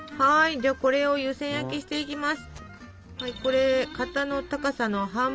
じゃこれを湯せん焼きしていきます。